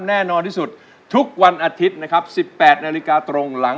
แน่นอนที่สุดทุกวันอาทิตย์นะครับ๑๘นาฬิกาตรงหลัง